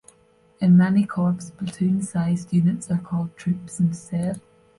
In many corps, platoon-sized units are called troops instead.